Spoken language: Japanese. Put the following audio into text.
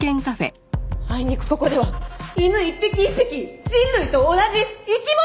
あいにくここでは犬一匹一匹人類と同じ生き物なの！